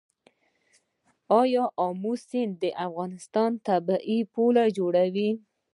آیا امو سیند د افغانستان طبیعي پوله جوړوي؟